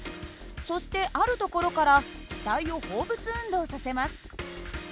そしてある所から機体を放物運動させます。